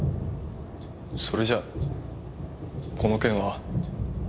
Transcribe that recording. それじゃこの件は。